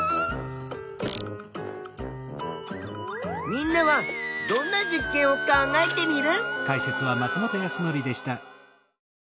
みんなはどんな実験を考えテミルン？